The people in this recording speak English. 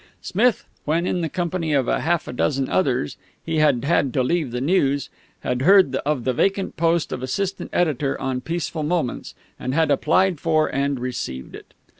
Smith, when, in the company of half a dozen others, he had had to leave the News, had heard of the vacant post of assistant editor on Peaceful Moments, and had applied for and received it.